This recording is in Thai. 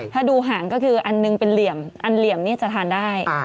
ถ้าดูหางก็คืออันหนึ่งเป็นเหลี่ยมอันเหลี่ยมนี่จะทานได้